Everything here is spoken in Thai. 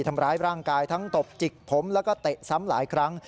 ทำร้ายร่างกายทั้งตบจิกผมแล้วก็เตะซ้ำหลายครั้ง